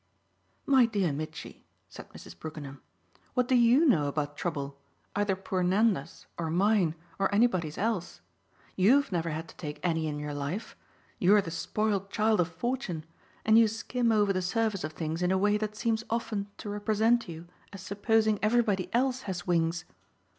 "My dear Mitchy," said Mrs. Brookenham, "what do YOU know about 'trouble' either poor Nanda's or mine or anybody's else? You've never had to take any in your life, you're the spoiled child of fortune and you skim over the surface of things in a way that seems often to represent you as supposing everybody else has wings.